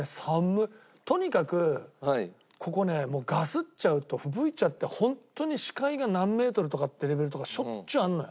とにかくここねもうガスっちゃうとふぶいちゃって本当に視界が何メートルとかってレベルとかしょっちゅうあるのよ